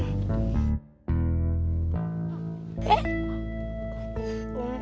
bisa kan kita bahas yang lain